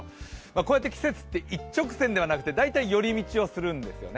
こうやって季節って一直線ではなくて大体、寄り道をするんですよね。